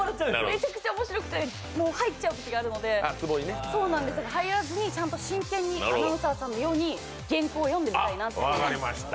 めちゃくちゃ面白くて入っちゃうことがあるので入らずにちゃんと真剣にアナウンサーさんのように原稿を読んでみたいなと思って。